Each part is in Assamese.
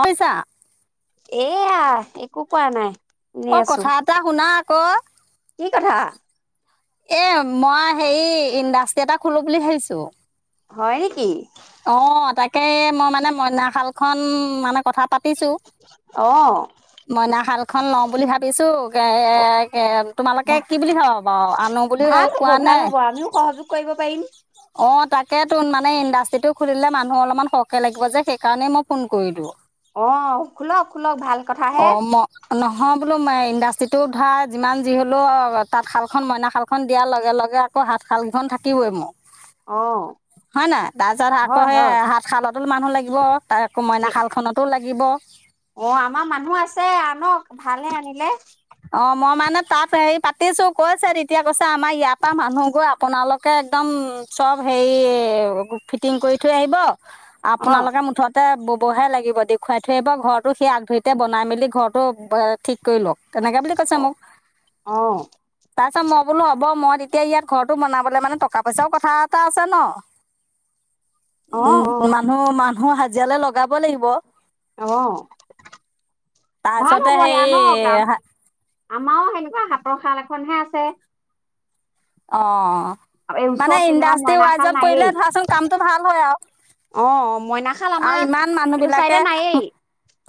অই, চা এয়া একো কৰা নাই। এনেই অ', আছো কথা এটা শুনা। কৈ কি কথা? এ, মই হেৰি ইণ্ডাষ্ট্ৰি এটা খোলো বুলি ভাবিছোঁ। হয়, নেকি? অ', তাকে মই মানে মইনাশাল খন মানে কথা পাতিছোঁ, অ মইনা শালখন লওঁ বুলি ভাবিছোঁ [unintelligible] তোমালোকে ভা কি বুলি ভাবা বাৰু? আনো বুলি ভাল হ'ব কোৱা ভাল নে? হ'ব আমিও সহযোগ কৰিব পাৰিম অ', তাকে মানে ইণ্ডাষ্ট্ৰিটো খুলিলে মানুহ অলপমান সৰহকে লাগিব যে, সেইকাৰণেই মই ফোন কৰিলোঁ। অ', খোলক, খোলক ভাল কথাহে অ', ম নহয়, বোলো ইণ্ডাষ্ট্ৰিটো ধৰা যিমান যি হ'লেও তাঁতশালখন মইনাশালখন দিয়াৰ লগে, লগে আকৌ হাতশালকেইখন থাকিবই মোৰ। অ হয়, ন? তাচত আকৌ হয় সেই হয় হাত খালত [unintelligible] মানুহ লাগিব [unintelligible] মইনা শালখনতো লাগ লাগিব অ', আমাৰ মানুহ আছে, আনক ভালহে আনিলে। অ', মই মানে তাত হেৰি পাতিছোঁ কৈছে, তেতিয়া কৈছে আমাৰ ইয়াৰ পৰা মানুহ গৈ আপোনালোক কে একদম চব হেয়ি ফিটিং কৰি থৈ আহিব, অ আপোনালোকে মুঠতে বব বব হে লাগিব দেখুৱাই থৈ আহিব ঘৰটো সেই আগধৰিতে বনাই মেলি ঘৰটো বে, ঠিক কৰি লওঁক। তেনেকে বুলি কৈছে অ মোক, অ তাত মই বোলো হ'ব, মই তেতিয়া ইয়াত ঘৰ বনাবলে মানে টকা পইচাও কথা এটা আছ ন অ উম, মানুহ, মান হো, হাজিৰালে লগাব, লাগিব। অ', ভাল তাৰপিছতে হ'ব ইয় ন, কাম? হেৰি আমাৰো সেনেকুৱা হাতৰ শাল এখনহে আছে। অ' এই মানে ওচৰত তেনেকুৱা ইণ্ডাষ্ট্ৰি মইনা শাল ৱাইজত কৰিলে নায়েই ধৰাচোন কামটো ভাল হয়, আৰু, অ মইনা শাল আৰু আমাৰ ইমান মানুহ এইটো চাইডে বিলাকে নায়েই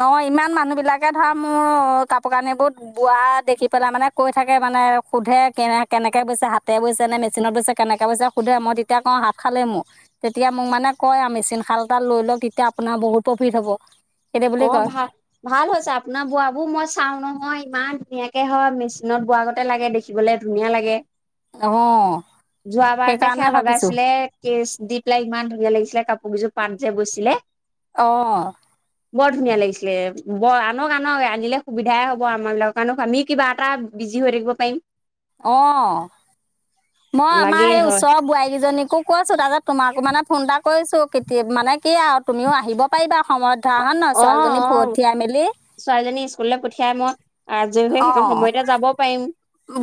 অ', ইমান মানুহ বিলাকে ধৰা মোৰ কাপোৰ কানিবোৰত বোৱা দেখি পেলাই মানে কৈ থাকে মানে সোধে কেনে, কেনেকে বৈছা? হাত তে বৈছে নে, মেচিনত বৈছে কেনেকে বৈছে সোধে মই তেতিয়া কওঁ হাত শালে মোৰ, তেতিয়া মোক মানে কয় আৰু মেচিন শাল এটা লৈ লওঁক তেতিয়া আপোনাৰ বহুত প্ৰফিট হ'ব। সেইটো বুলি অ', কয় ভা, ভাল হৈছে আপোনাৰ বোৱাবোৰ মই চাওঁ নহয় ইমান ধুনীয়াকে হয়, মেচিনত বোৱা আগতে লাগে দেখিবলে, ধুনীয়া লাগে। অ', যোৱাবাৰ যে, সেইকাৰণে সেয়া ভাবিছোঁ লগাইছিলে কেচ দি পেলাই ইমান ধুনীয়া লাগিছিলে কাপোৰ কিযোৰ পাত যে, গৈছিলে অ'। বৰ ধুনীয়া লাগিছিলে বৰ আনক, আনক আনিলে সুবিধাই হ'ব আমাৰ বিলাকৰ কাৰনে, আমি কিবা এটা বিজি হৈ থাকিব পাৰিম। অ', মই আমাৰ লাগেই সেই হয় ওচৰৰ বোৱাৰী কেইজনীকো কৈছো তাতে তোমাকো মানে ফোন এটা কৰিছোঁ, কেতি-মানে য়া, আৰু তুমিও আহিব পাৰিবা সময়ত ধৰা অ হয়, ন? অ ছোৱালীজনী পঠিয়াই মেলি লৈ পঠিয়াই মই আজৰি হৈ অ সেইকণ সময়তে যাব পাৰিম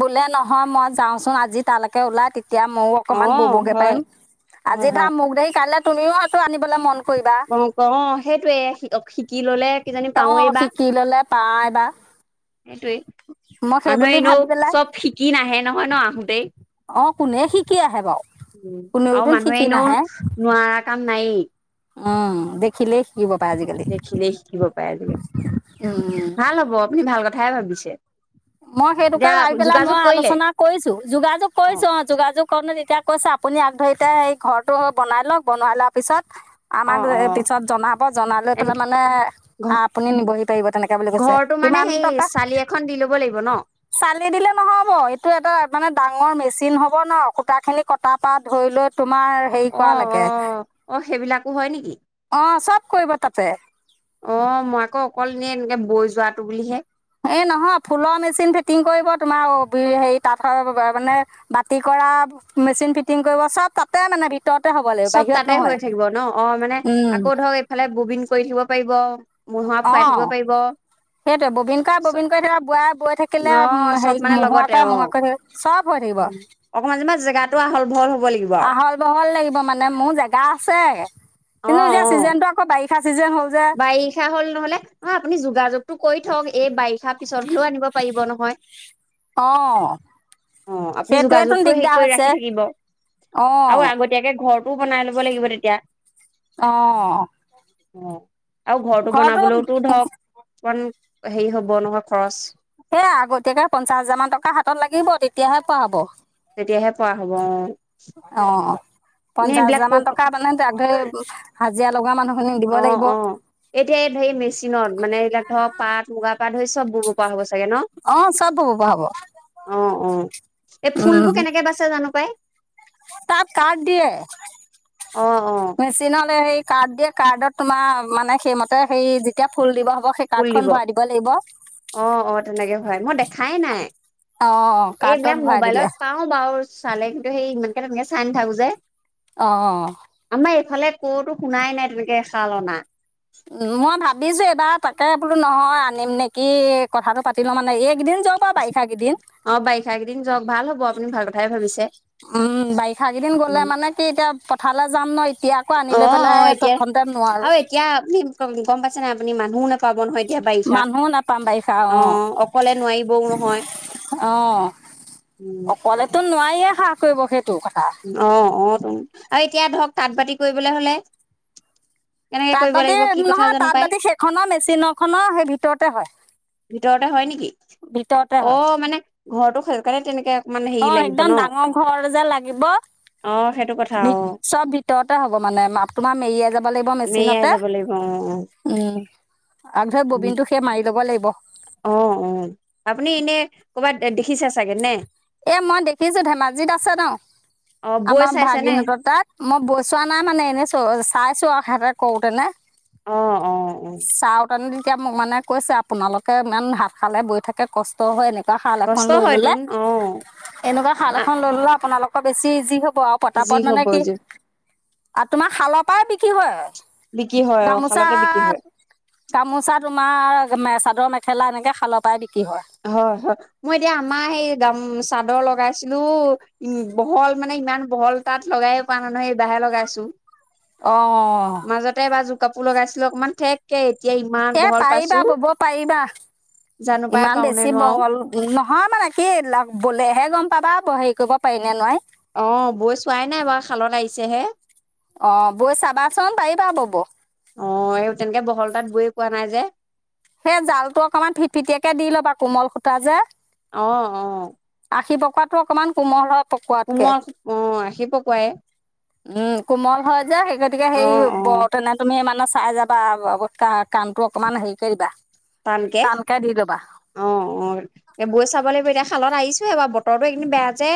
বোলে নহয় মই যাওঁচোন আজি তালৈ কে ওলাই তে তিয়া ময়ো অ অকমান ব'বগে হয় পাৰিম হয় আজি ধাম হয় মোক দেৰি কাইলে তুমিও এইটো আনিব মন কৰিবা অ ক অ সেইটোয়ে সি অ ক শি কি ল'লে। কিজানি পাওঁৱেই অঁ বা শিকি ল'লে পাৰা এইবাৰ সেইটোৱেই মই সেই মানুহে বুলি এনেও ভাবি পেলাই চব শিকি নাহে নহয় ন আহোতেই অঁ কোনে শিকি আহে বাৰু উম আৰু কোনেওতো মানুহে শিকি এনেও নাহে নোৱাৰা কাম নাইয়ে। উম দেখিলে শি দেখিলে শিকিব পাৰে আজিকালি। উম। ভাল হ'ব আপুনি ভাল কথা- ই ভাবিছে। মই সেইটোকে এতিয়া ভাবি পেলাই যোগাযোগ মই কৰিলে আলোচনা কৰিছো যোগাযোগ কৰিছো অ যোগাযোগ কৰো নে এতিয়া কৈছে আপুনি আগ ধৰিতা এই ঘৰটো বনাই লওক বনাই লোৱাৰ পিছত অ আমাক অ এ পিছত জনাব, জনাই লৈ এ পেলাই মানে ঘ আপুনি নিবহি পাৰিব তেনেকে বুলি কৈছে ঘৰটো মানে কিমান সেই টকা চালি এখন দি ল'ব লাগিব ন চালি দিলে নহব এইটো এটা মানে ডাঙৰ মেচিন হ'ব ন খুটাখিনি কটাৰ পৰা ধৰি লৈ তো মাৰ হেৰি অ কৰা অ লৈকে সেইবিলাকো অ হয় নেকি? অহ চব কৰিব তাতে অ মই আকৌ অকল নে এনেকে বৈ যোৱাটো বুলিহে এই নহয় ফুলৰ মেচিন ফিটিং কৰিব তোমাৰ অ হেৰি তাতৰ মানে বাতি কৰা মেচিন ফিটিং কৰিব চব তাতে মানে ভি চব তাতে হৈ থাকিব ন অ মানে আকৌ ধৰক এইফালে বুবিন কৰি থাকিব পাৰিব। মহুৰা অ ফুৰাই থাকিব পাৰিব অ সেইটোৱে ববিন কৰাই ববিন কৰি থাকে বোৱাই বৈ থাকিলে চব হেৰি মানে মহোৱা লগতে কৰাই অ মহোৱা কৰি থাকি, চব হৈ থাকিব [unintelligible] হল ভল- আহল বহল লাগি ব মানে মোৰ জেগা আছে অ', কিন্তু এতিয়া অ', চিজনটো আকৌ বাৰি- বাৰিষা হ'ল নহলে অ আপুনি যোগাযোগ তো কৰি থক এই বাৰিষা পিছত লৈ আনিব পাৰিব নহয় অ অ', আপুনি সেইটোৱেটোন যোগাযোগটো হেৰি দিগদাৰ কৰি ৰাখি হৈছে। থাকিব অহ টো বনাই ল'ব লাগিব তেতিয়া অহ অ। আৰু ঘৰটো বনাবলৈওটো ধৰক অকন হেৰি হ'ব নহয় খৰচ। সেই আগতীয়াকে পঞ্চাশ হাজাৰ মান টকা হাতত লাগিব তেতিয়াহে পোৱা হব তেতিয়াহে পৰা হ'ব অ', অ। এনে পঞ্চাশ এইবিলাক হাজাৰ ক মান টকা মানে তাক ধৰি হাজিৰা লগোৱা মানুহখিনি দিব অ', লাগিব। অ', এতিয়া এই হেৰি মেচিনত মানে এইবিলাক ধৰক পাট, মুগা পাট সেই ছব বব পৰা হৈ গৈছো। চাগে ন অঁ চব ব'ব পৰা হ'ব অ' অ' এই ফুলবোৰ কেনেকে বাচে, জানো পাই। ক [inaudible] তাত কাৰ্ড দিয়ে, অ', অ'। মেচিনলৈ সেই কাৰ্ড দিয়ে কাৰ্ডত তোমাৰ মানে, সেইমতে সে যেতিয়া ফুল দিব সেই ফুল কাৰ্ডখন দিব ভৰাই লাগিব অ! অ! তেনেকে হয়, মই দেখাই নাই অঁ কাৰ্ডত এইবিলাক ভৰাই দিলে মোবাইলত পাও বাৰু চালে, কিন্তু সেই ইমানকে তেনেকে চাই নাথাকো যে, অ! মই এইফালে কতো শুনাই নাই তেনেকে খাল অনা। উ! মই ভাবিছো এইবাৰ তাকে বোলো নহয়, আনিম নেকি কথাটো পাতি লওঁ, মানে এইকেইদিন যাওঁ বাৰু বাৰিষাকেইদিন অ' বাৰিষা কেইদিন যাওক ভাল হব আপুনি ভাল কথাই ভাবিছে। উম! বাৰিষা কেইদিন গ'লে মানে কি এতিয়া এঠাইলে যাম ন এতিয়া আকৌ আনি লৈ পেলাই অ'অ' এতিয়া তৎক্ষণতে নোৱাৰো আৰু এতিয়া আপুনি গম পাইছে নাই আপুনি মানুহ ন মানুহো নাপাম বাৰিষা, অ! অকলে নোৱাৰিবও নহয় অ! উম অকলেতো নোৱি কোনে সাহ কৰিব সেইটো কথা অ' অ' টোন আৰু এতিয়া ধৰক তাঁত বাতি কৰিবলৈ হলে কেনেকে তাঁত কৰিব বাতি লাগিব কি কথা নহয়, জানো তাঁত পাই বাতি সেইখনৰ মেচিনৰখনৰ সেই ভিতৰতে হয়, ভিতৰতে হয় নেকি ভিতৰতে অ হয় মানে ঘৰটো সেইকাৰণে তেনেকে অকমান হেৰি অ' লাগিব একদম ন ডাঙৰ ঘৰ যে লাগিব অ সেইটো কথা অ চব ভিতৰতে হ'ব মানে, তোমাৰ মেৰিয়াই যাব মেৰিয়াই লাগ যাব লাগিব অ আগধৰি, ববিন টো সেই মাৰি লব লাগিব। ব অ''অ'' আপুনি এনে ক'ৰবাত দেখি এ মই দেখিছো ধেমাজিত আছে ন, অ বৈ আমাৰ চাইছে নে ভাগিন হতৰ তাত, মই বৈ চোৱা নাই মানে এনে চ চাইছোঁ আৰু, সেহেঁতে কৰোতেনে। অ' অ' অ' এতিয়া মোক মানে কৈছে, আপোনালোকে ইমান হাত খালে বৈ থাকে কষ্ট হয়, নে শাল এখন কষ্ট লৈ হয় তোন অ এনেকুৱা শাল এখন লৈ ল আপোনালোকৰ বেছি ইজি হ'ব যি পতাপত মানে হব কি যে অ', তোমাৰ শালৰ পৰাই বিক্ৰী হয় বিক্ৰী হয় অ শালতে বিক্ৰী গামোচাত, হয় গামোচা তোমাৰ [unintelligible] চাদৰ মেখেলা এনেকে শালৰ পৰা বি হয়, হয় মই এতিয়া আমাৰ সেই‌ গাম চাদৰ লগাইছিলো উ বহল মানে ইমান বহল তাত লগাইে পোৱা নাই নহয় এইবাহে লগাইছো। অ। মাজতে এবাৰ জ কাপোৰ লগাইছিলো অকণমান ঠেককে এতিয়া ইমান এ বহল পাইছো পাৰিবা বব পাৰিবা জানো পাই ইমান পাও নে বেছি নোৱাৰো বহল ন হয়, মানে কি বলেহে গম পাবা হেৰি কৰিব পাৰি নে নোৱাৰি। অ', বৈ চোৱাই নাই বাৰু শালত আৰিছেহে। অহ, বৈ চাবাচোন পাৰিবা বব। অ এই তেনেকে বহল তাত বৈয়ে পোৱা নাই যে সেই জাল টো অকনমান ফিটপিটিয়াকে দি লবা কোমল সূতা যে। অহ, অহ। খি পকোৱাটো অকণমান কোমল হওঁক [unintelligible] অ', আশি পকোৱাই উম, কোমল হয় যে সেই গতিকে সেই অ ব তেনে তুমি মান চাই যাবা কা কামতটো অকণমান হেৰি [unintelligible] টানকে দি ল'বা অ', অ', এ বৈ চাব লাগিব এতিয়া শালত আয়ি এইবাৰ বতৰো এইখিনি বেয়া যে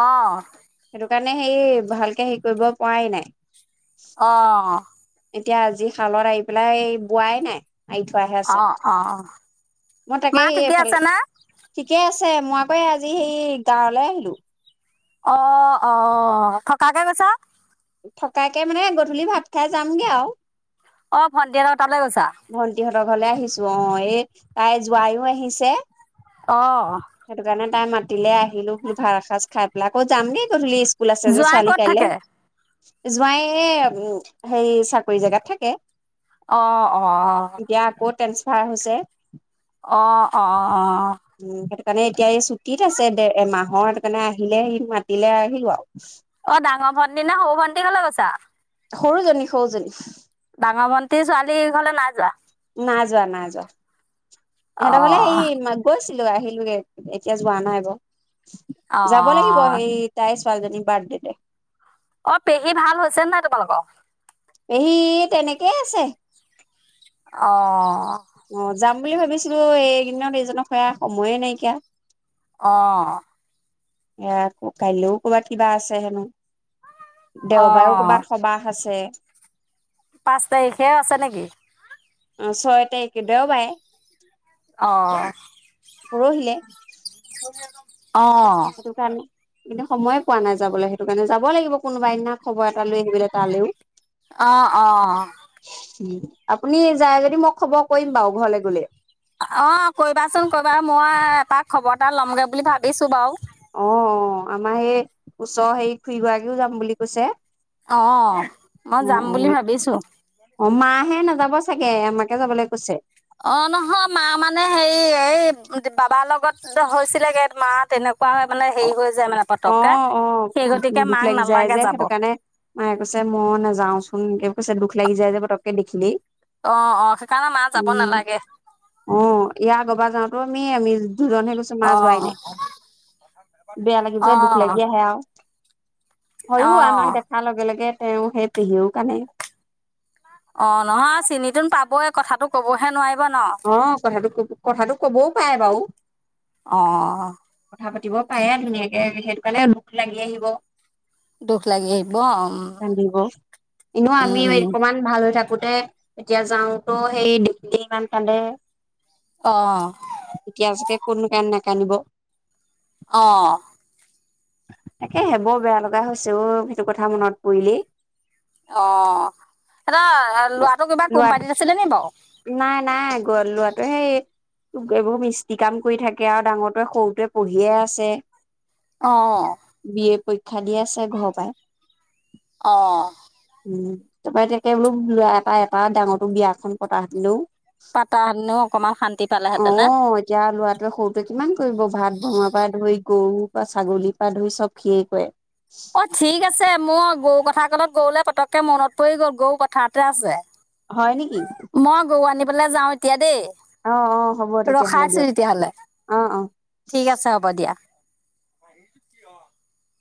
অহ। সেইকাৰণে হেই ভালকে হেৰি কৰিব পৰাই নাই। অ। এতিয়া আজি শালত আহি পেলাই এই বোৱাই নাই। আৰি থোৱাহে আছে, অ' অ' মই তাকে মা সেই ঠিকে এইফালে আছে নে ঠিকেই আছে মই আকৌ এই আজ আজি সেই গাঁৱলৈ আহিলো। অ', অ', থকাকে গৈছা? থকাকে মানে গধূলি ভাত খাই যামগে আৰু। অ' ভণ্টিহঁতৰ তালৈ গৈছা ভন্টিহঁতৰ ঘৰলে আহিছো অ', এই তাই জোৱাইও আহিছে। অ' সেটোকাৰণে তাই মাতিলে আহিলোঁ, ভাত এসাজ খাই পেলাই আকৌ যাম গে গধূলি জোৱাই ক'ত থাকে? জোৱাই এই, হেৰি চাকৰি জেগাত থাকে। অ', অ'। পাৰ হৈছে। অ', অ'। অ'। উম সেইটো কাৰণে এতিয়া এই ছুটীত আছে, দে, এমাহৰ কাৰণে আহিলে, মাতিলে আহিলোঁ আৰু। অ ডাঙৰ ভণ্টি না, সৰু ভণ্টি ঘৰলে গৈছা? সৰুজনী, সৰুজনী। ঙৰ ভন্টীৰ ছোৱালী ঘৰলৈ নাই যোৱা। নাই যোৱা, নাই যোৱা, অ সিহঁতে বোলে হেৰি মা গৈছিল আহো, আহিলোগে এতিয়া যোৱা নাই আগ অ যাব লাগিব সেই তাই ছোৱালীজনীৰ বাৰ্থডেতে অ', পেহী ভাল হৈছে নাই তোমালোকৰ? পেহী, তেনেকেই আছে। অ'। অ', যাম বুলি ভাবিছিলো, এইদিনত এইজনক সেয়া সময়ে নাইকিয়া। অ'। সেয়া আকৌ কাইলৈও ক'ৰবাত কিবা আছে, হেনো। অ দেওবাৰেও ক'বাত সবাহ আছে। পাঁচ তাৰিখে আছে নেকি? অ', ছয় তাৰিখে দেওবাৰে। অ পৰহিলে। অ এটো কাৰণে ইদা সময়ে পোৱা নাই যাবলৈ সেইটো কাৰণে যাব লাগিব কোনোবা দিনা খবৰ এটা লৈ আহিবলে তালেও। অ', অ'। উম, আপুনি যায় যদি মোক অ', কৰিবাচোন কৰিবা মই এপাক খবৰ এটা লমগে বুলি ভাবিছো বাও। অ', অ', আমাৰ সেই ওচৰৰ হেৰি খুৰীগৰাকীও যাম বুলি কৈছে। অ', মই অ যাম বুলি অ ভাবিছো। অ মাহে নাযাব চাগে আমাকে যাবলে কৈছে। অ', নহয় মা মানে হেৰি এই বাবাৰ লগত হৈছিলেগে, মা তেনেক অ' অ, সেই গতিকে দুখ মাক লাগি যায় নালাগে যে, যাব সেইটো কাৰণে মায়ে কৈছে, মই নাযাওঁ চোন ছে দুখ লাগি যায় যে পটককে দেখিলেই। অ' অ, সেইকাৰণে মা যাব উম নালাগে। ই আমি দুজনহে গৈছোঁ, মা অ যোৱাই নাই। বেয়া লাগি অ যায়, দুখ লাগি আহে আও। অ হয়ো, আমাক দেখাৰ লগে লগে তেওঁ সেই পেহিয়েও কানে। অ নহয় চিনি তোন পাবই, কথাটো কবহে নোৱা অ, কথাটো কব কথাটো কবও পায়ে বাও। অ কথা পাত তিব পাৰে ধুনীয়াকে, সেইটো কাৰণে দুখ লাগি আহিব। দুখ লাগি আহিব উম [unintelligible] এনে আমি উম অকমান ভাল থাক কোতে এতিয়া যাওঁত' সেই [unintelligible] [unintelligible] অ'। কোনো [unintelligible] নকানিব। অ'। তাকেহে, বৰ বেয়া লগা হৈছে অ' সেইটো কথা মনত পৰিলেই। অ', সেঁতৰ লৰাটো কিবা ল'ৰা কোম্পানীত আছিলে নি বাৰু? নাই নাই, গ লৰাটোৱে সেই এইবোৰ মিস্তি কাম কৰি থাকে আৰু ডাঙৰটোৱে, সৰুটোৱে পঢ়িয়ে আছে। অ',। ক্ষা দি আছে ঘৰ পাই। অ'। উম, তাৰপৰা এতিয়া কে বোলো ল'ৱা এটা ডাঙটো বিয়াখন তা হঁতিনো! পাতা হেঁতিনো অকমান শান্তি অ পালেহেঁতেনে। এতিয়া ল'ৰাটোৱে [unintelligible] [inaudible] গৰু পা, ছাগলীৰ পা‌ ধৰি চব সিয়ে কৰে। অ ঠিক আছে, মই গও কথা ক'লে গওলৈ পতক কে মনত পৰি গ'ল, গও পথাৱতে আছে। হয় নেকি? বলে যাওঁ এতিয়া দেই। অ অ হ'ব তেতিয়াহ'লে ৰখাইছো দিয়ক তেতিয়াহলে। অ অ ঠিক আছে হ'ব দিয়া। [inaudible]